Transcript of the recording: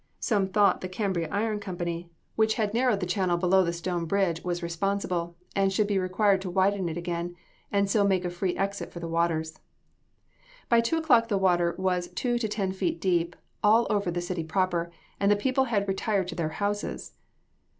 Some thought the Cambria Iron Company, which had narrowed the channel below the stone bridge, was responsible, and should be required to widen it again, and so make a free exit for the waters. By two o'clock the water was two to ten feet deep all over the city proper, and the people had retired to their houses.